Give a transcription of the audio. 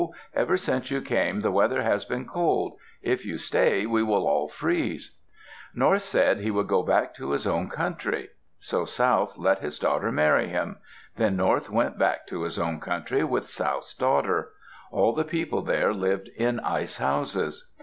Ever since you came the weather has been cold. If you stay we will all freeze." North said he would go back to his own country. So South let his daughter marry him. Then North went back to his own country with South's daughter. All the people there lived in ice houses.